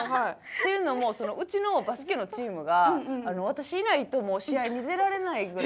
っていうのもうちのバスケのチームが私いないともう試合に出られないぐらい。